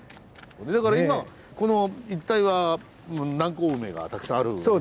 だから今この一帯は南高梅がたくさんあるわけじゃないですか。